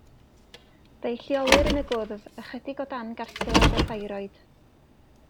Fe'i lleolir yn y gwddf, ychydig o dan gartilag y thyroid.